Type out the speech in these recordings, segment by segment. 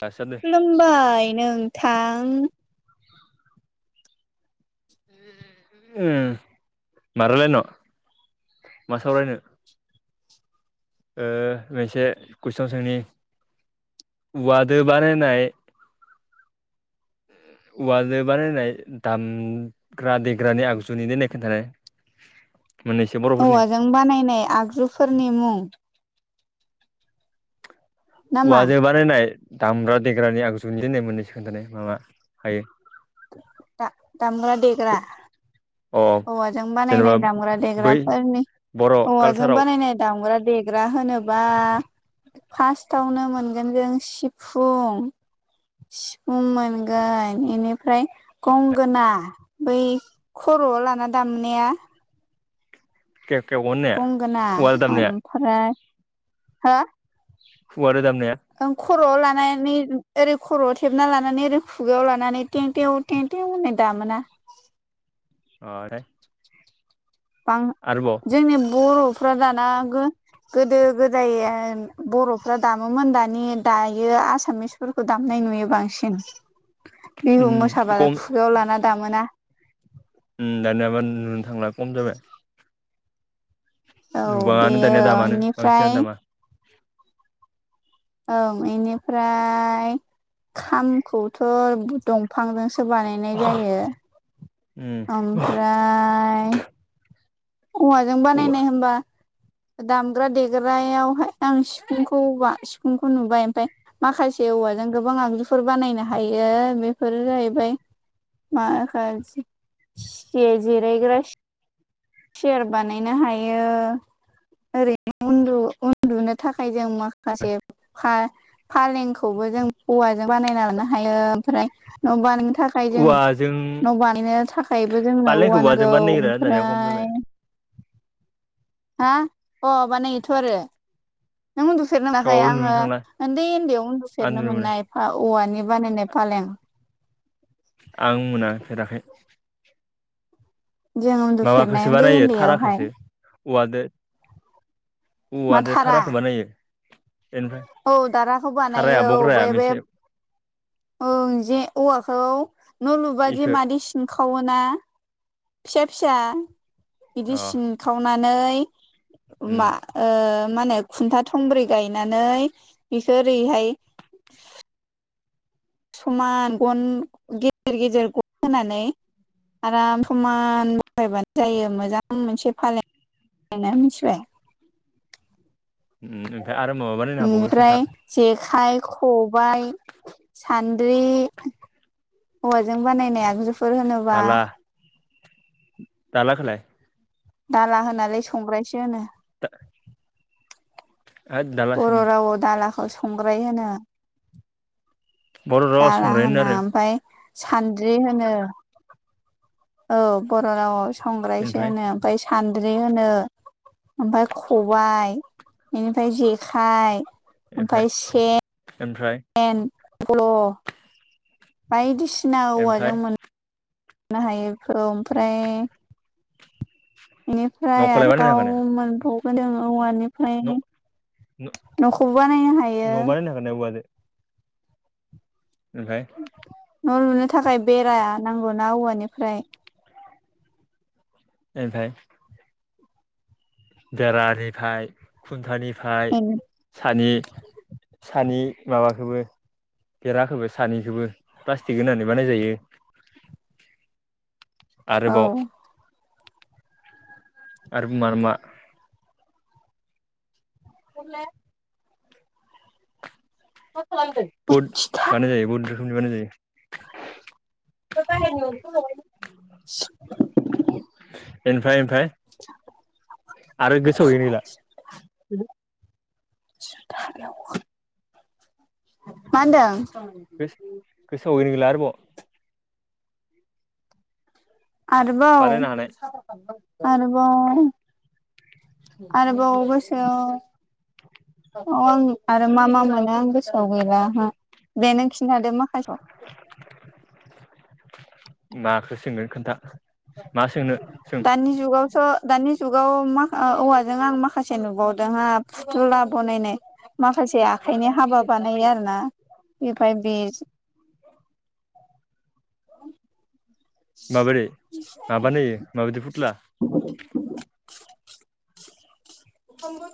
दासान्दि खुलुमबाय नोंथां। मारायलायनो मा सावरायनो। मोनसे कुइसन सोंनि वुवादो बानायनाय औवाजों बानायनाय दामग्रा देग्रानि आगजुनिनोनाय खिन्थानाय मोनसो औवाजों बानायनाय आगजुफोरनि मुं नामा औवाजों बानायनाय दामग्रा देग्रानि आगजुनिनाय मोननैसो खोन्थानाय माबा हायो। दामला-देग्रा अ औवाजों जेनेबा बानायनाय बै दामग्रा-देग्राफोरनि बर' औवाजों कालसाराव बानायनाय दामग्रा दे हाग्रा होनोबा फार्टावनो मोनगोन जों सिफुं सिफुं मोनगोन बेनिफ्राय गंगोना बै खर' लाना दामनाया। गंगोना [unintelligible] हो खुगादो दामनाया। खर'आव लानानै ओरै खर'आव थेबना लानानै ओरै खुगायाव लानानै थेंट होननाय दामोना अ दे। [unintelligible] आरोबाव। जोंनि बर'फ्रा दाना। गोदो गोदाय बर'फ्रा दामोमोन दानि दायो आसामिस फोरखौ दामनाय नुयो बांसिन उम बिहु मोसाबाला खम खुगायाव लाना दामोना दानियाबा नुनो थांला खम जाबाय औ नुबाङानो दानिया बेयो दामानो बांसिनानो बेनिफ्राय दामा ओं इनिफ्राय खामखौथ'दं। बिफांजोंसो बानायनाय जायो उम ओमफ्राय। औवाजों औवा बानायनाय होमबा दामग्रा देग्रायावहाय आं सिफुंखौ हा सिफुंखौ नुबाय ओमफ्राय। माखासे औवाजों गोबां आगजुफोर बानायनो हायो बेफोर जाहैबाय। [unintelligible] चेयार बानायनो हायो ओरैनो। उन्दुनो थाखाय जों माखासे खा फालेंखौबो जों औवाजों बानायना लानो हायो ओमफ्राय न' बानायनो थाखाय फ्राय जों औवाजों न' बानायनो थाखायबो जोंनो बानायनायखौ औवा औवाजों नांगौ बानायो रा दानिया खम ओमफ्राय जाबाय हा अ बानायोथ' आरो नों उन्दुफेरनो मोनाखै थेवबाबो नुनो आङो थांला उन्दै उन्दैयाव उन्दु आं सेरनो नुनो मोना मोननाय औवानि बानायनाय फालें आं मोना फेराखै जों उन्दुफेरनाय माबाखौसो उन्दै बानायो उन्दैयावहाय थाराखौसो औवादो मा औवादो धारा धारखौ बानायो। बेनिफ्राय औ दाराखौ थाराया बानायो औ बग्राया बे बे मोनसे ओं जे औवाखौ न' लुबादि इखो मादि सिनखावोना फिसा फिसा बिदि अ सिन खावनानै उम मा खुनथा थंब्रै गाय गायनानै बिखौ ओरैहाय समान गन गेजेर गेजेर गन होनानै आराम समान बायबानो जायो मोजां मोनसे फालें ा मिथिबाय। ओमफ्राय आरो माबाबानो होनांबावो ओमफ्राय खोन्था जेखाइ खबाय सान्द्रि हौवाजों बानायनाय आगजुफोर होनोबा दाला खालाय दाला होनालै संग्रायसो होनो। [inaudible] होद बर' दालासोनो रावआव दालाखौ संग्राय होनो बर' रावाव दाला संग्राय होनो होना आरो ओमफ्राय सान्द्रि होनो। औ बर' राव संग्रायसो होनो ओमफ्राय सान्द्रि होनो ओमफफ्राय खबाइ बेनिफ्राय जेखाइ ओमफ्राय सेन ओमफ्राय दन ब्ल' बायदिसिना ओमफ्राय औवाजों मोननो हायैखौ ओमफ्राय बेनिफ्राय न'खौलाय बानायनो आरोबाव हागोन मोनबावगोनदो औवानि ओमफ्राय ना न'खौबो बानायनो न' हायो। [inaudible] ओमफ्राय न' लुनो थाखाय बेरा नांगौनाा औवानिफ्राय ओमफ्राय बेरानिफ्राय खन्थानिफ्राय सानि फिसानि माबाखोबो बेराखौबो सानैखौबो प्लास्टिक होनानै बानायजायो। [inaudible] औ आरोबाव आरो मा मा? अ [unintelligible] बहुद बानाय जायो बहुद रोखोमनि बानाय जायो। ब न अथ [unintelligible] निफ्राय ओमफफ्राय आरो मा गोसोआव है नैला [unintelligible] मा होनदों। गोस गोसोआवैनिला आरोबाव आरोबाव बानायनो हानाय आरोबाव आरबाव गेसौ अ आं आरो मा मा मोनो आं गोसोआव गैला दे नों खिनथादो माखासे नाखौ सोंगोन खोन्था मा सोंनो सों दानि जुगावथ' दानि जुगाव माख औवाजों आं माखासे नुबावदों ह फुथुला बनायनाय माखासे आखाइनि हाबा बानायो आरोना ओमफाय बि माबोरै माबानाय होयो माबायदि फुथ्ला [unintelligible]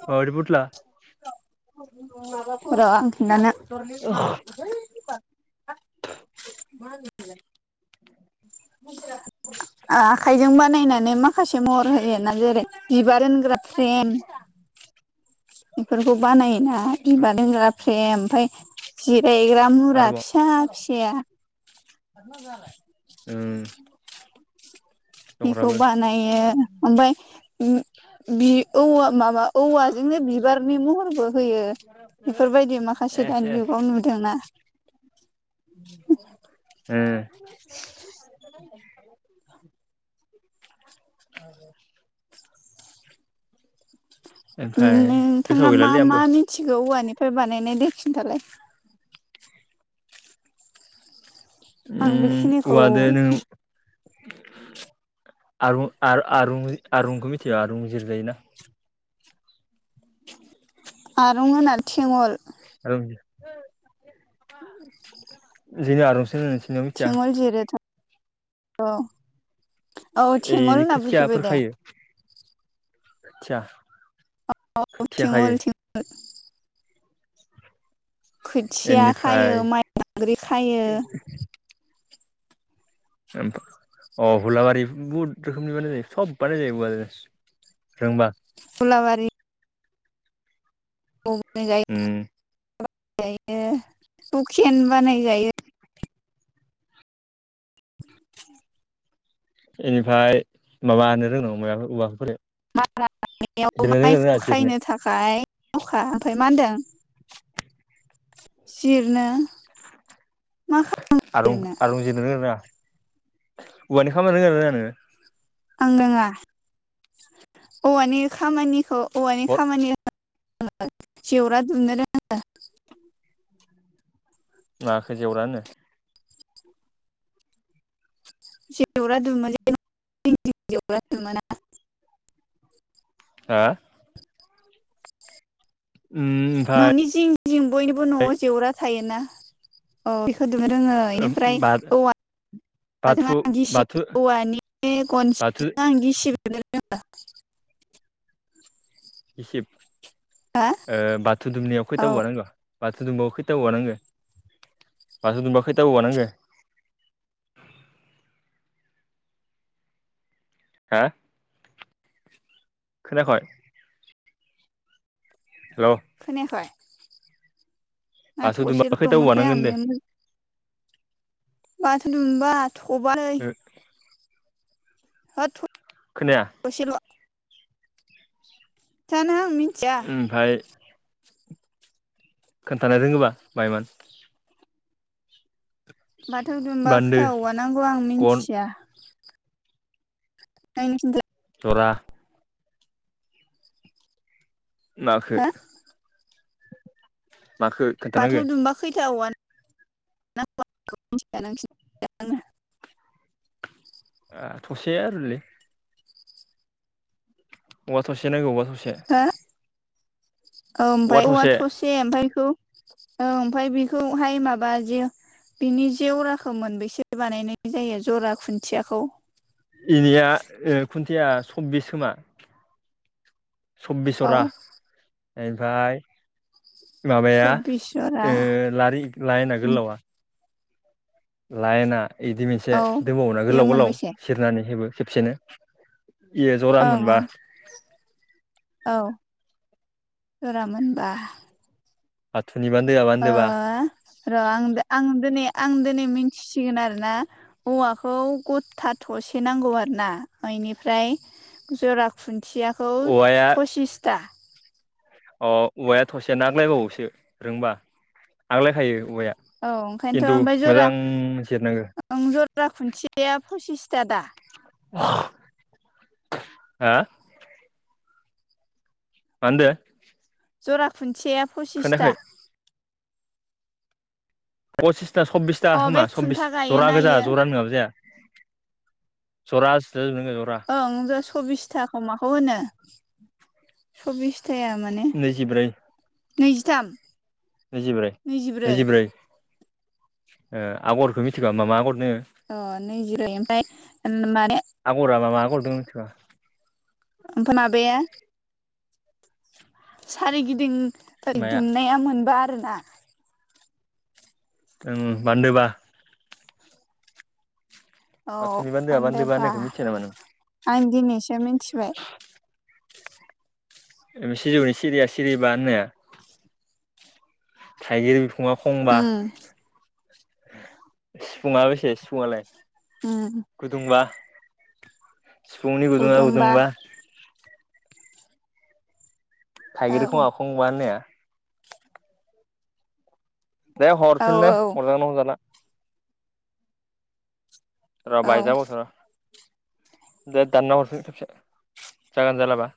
माबादि फुथला [unintelligible] मा होनो [unintelligible] आखाइजों बानायनानै माखासे महर होयोना जेरै बिबार होनग्रा फ्रेम बेफोरखौ बानायोना बिबार लोंग्रा फ्रेम ओमफ्राय जिरायग्रा मुरा आरोबाव फिसा फिसाया ओ इखौ बानायो ओमफ्राय औव माबा औवाजोंनो बिबारनि महरबो होयो बेफोरबायदि माखासे एस दानि एस जुगाव नुदोंना ओ औ ओमफ्राय गोसोआव नोंथाङा मा गैलालै आंबो मा मिथिगौ औवानिफ्राय बानायनाय दे खिन्थालाय आं उम बेखिनिखौ औवादो नों आरो आरुंखौ मिथियो आरुजिर जायोना आरं होना थेंवल आरूं जोंनिथिं आरुं होनो मिथिया थेंगल जिरोथ' औ औ थेंगल होनना बुजिबाय दे आतसाा औ थेवल थेवल खोथिया बेनिफ्राय खायो माइ दांग्रि खायो हुलाबारि बुहुत रोखोमनि बानायनाय जायो सब बानाय जायो थों बा हुलााबारि उम हुखेन बानायजायो [unintelligible] बेनिफ्राय माबानो रोंनांगौ माबाफोर औवाफोर मारा होनायाव जिरनो रोंनो माइखौ रोङा जिरनो खायनो थाखाय अखा ओमफ्राय मा होनदों जिरनो मा खालामनो आरुं जिरनो रोंगोना रोङा नों औवानि खामानि रोंगोना रोंङा नों आं रङा औवानि खामानिखौ औवानि बद खामानि जेवरा दुमनो रोंङो उम माखो जेवरा होनो जेवरा दुमनाय जायो ना जिं जिं जेवरा दुमोना हा उम ओमफ्राय न'नि जिं जिं बयनिबो न'आव जेवरा थायोना औ खौ दुमनो रोङो बेनिफ्राय बाथौ औवा औवाजों बाथौ आं बाथौ गिसिब औवानि बाथौ गनसिजों आं गिसिब हेबनो रोंङो इसे रोङा बाथौ दुमनायाव खैथा औ औवा नांगौ बाथौ दुमबाबो खैथाबो गानांगो बाथौ दुमबा खैथा बोवानांगो हो खोनायाखै हेलौ खोनायाखै ना बाथौ दुमबा थसेल'ल' खैथा औवा मोनथाय नांगोन आमयाव होनदो बाथोन द मोनबा थबाल [inaudible] ओ थु खोनाया थसेल जानो आं मिथिया ओमफ्राय खोन्थानो रोङोबा बायमोन बाथौ दुमबा बान्दो खोथा औवा नांगौ आं गन मिथिया आंनो खिनथा जरा नाखो हो माखो बाथौ खोन्थानांगो दुमबा खैथा औवौ मिथिया [unintelligible] खिन आ थसे आरोलै औवा थसे नांगौ औवा थसे औ खिन्था ओमफ्राय औ थसे ओमफ्राय बेखौ औ ओमफ्राय बेखौहाय माबा जे बिनि जेवराखौ मोनबसो बानायनाय जायो जरा खुन्थियाखौ एनिया खुन्थिया सब्बिस खोमा सब्बिस औ जरा ओमफ्राय माबाया सब्बिस जरा लारि लाायना गोलावा लाइना बिदि मोनसे औ दोनबावोा बेयो गोलाव गोलाव मोनबैसे सेरनानै हेबो खेबसेनो इयो जरा ओं मोनबा औ ओं औ जरा मोनबा बाथौनि बानदोया बा अ र' आं आं दिनै आं दिनै मिथिसिगोन आरोना औवाखौ गथा थसे नांगौ आरो ना बेनिफ्राय जरा खुन्थियाखौ औवाया फसिसथा अ औवाया थसेयानो आग्लायबावोसो रोंबा आग्लायखायो औवाया औ ओंखायनोथ' खिन्थु ओमफ्राय जरा मोजां जिरनांगो ओं जरा खुन्थियाया फसिसथा दा हा मा होनदो जरा खुन्थिया खोनायाखै पसिसथा पसिसथा सब्बिसथा अ बे होमा सब्बिस खुन्था जरा गायोना गोजा इयो जरा नङाबा जाया जरा नों जरा ओं बे सब्बिसथाखौ माखौ होनो सब्बिसथाया माने नैजिब्रै नैजिथाम नैजिब्रै नैजिब्रै आगरखौ मिथिखा मा मा आगरनो अ नैजिब्रै ओमफ्राय माने आगरा मा आगरदों मिथिबा ओमफ्राय माबाया सारिगिदिं माया दुमनाया मोनबा आरोना ओम बान्दोबा औ बाथौनि बान्दोआ बान्दोबा फान्दोबा होननायखौ मिथिया नामा नों आं दिनैसो मिथिबाय। सिजौनि सिरिया सिरि बा होननाया। थाइगिर बिफाङा खंबा। उम सिफुङा बेसे सिफुङलाय उम गुदुंब्लाा सिफुंनि गुदुङा गुदुंबा। थाइगिरखौ औ आखंब ने दे औ हरफिन दो औ हरजागोन ना जाना र' औ बायजाबथ' र' दे दानना हरफिन खेबसे जागोन जालाबा